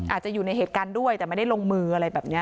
อาจจะอยู่ในเหตุการณ์ด้วยแต่ไม่ได้ลงมืออะไรแบบนี้